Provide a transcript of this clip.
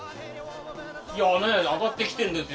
上がってきてるんですよ